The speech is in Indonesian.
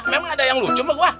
memang ada yang lucu mah